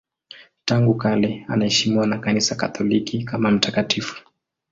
Tangu kale anaheshimiwa na Kanisa Katoliki kama mtakatifu.